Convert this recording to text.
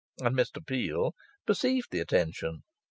And Mr Peel perceived the attention.